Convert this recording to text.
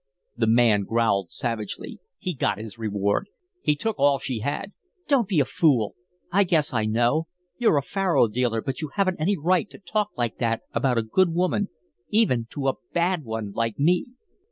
The man growled savagely. "He got his reward. He took all she had " "Don't be a fool. I guess I know. You're a faro dealer, but you haven't any right to talk like that about a good woman, even to a bad one like me."